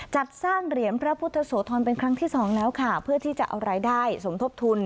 จัดสร้างเหรียญพระพุทธโสธรเป็นครั้งที่สองแล้วค่ะเพื่อที่จะเอารายได้สมทบทุน